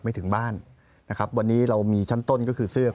ขอมอบจากท่านรองเลยนะครับขอมอบจากท่านรองเลยนะครับขอมอบจากท่านรองเลยนะครับ